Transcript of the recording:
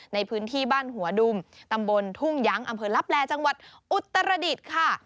ในพื้นที่บ้านหัวดุมตำบลทุ่งยั้งอำเภอลับแลจังหวัดอุตรดิษฐ์ค่ะ